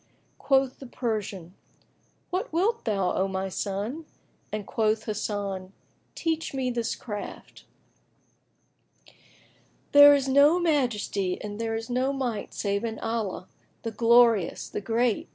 Quoth the Persian, "What wilt thou, O my son?"; and quoth Hasan, "Teach me this craft." "There is no Majesty and there is no Might save in Allah, the Glorious, the Great!"